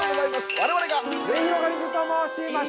我々が◆すゑひろがりずと申します。